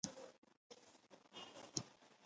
باز د طبیعت زړور عسکر دی